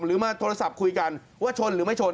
มาโทรศัพท์คุยกันว่าชนหรือไม่ชน